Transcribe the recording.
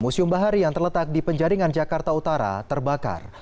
museum bahari yang terletak di penjaringan jakarta utara terbakar